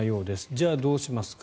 じゃあどうしますか。